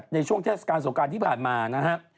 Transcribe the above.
ในช่วงเทศกาลสงการที่ผ่านมานะฮะ